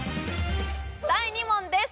第２問です